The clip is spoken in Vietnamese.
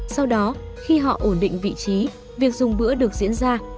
sau đó khi họ ổn định vị trí việc dùng bữa được diễn ra